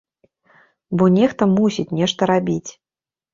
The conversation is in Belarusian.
Бо нехта мусіць нешта рабіць.